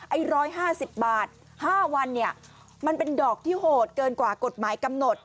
ไอ้๑๕๐บาท๕วันเนี่ยมันเป็นดอกที่โหดเกินกว่ากฎหมายกำหนด